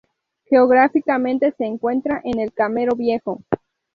Geográficamente se encuentra en el Camero Viejo.